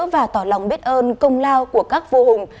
và tỏ lòng biết ơn công lao của các vua hùng